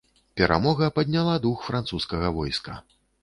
Перамога падняла дух французскага войска.